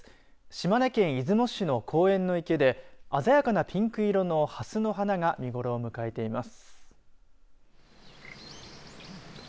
島根県出雲市の公園の池で鮮やかなピンク色のハスの花が見ごろを迎えています。